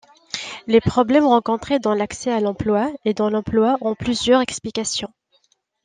Les problèmes rencontrés dans l'accès à l'emploi et dans l'emploi ont plusieurs explications.